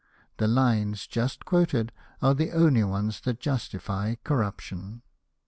The lines just quoted are the only ones that justify Corriiptio7i.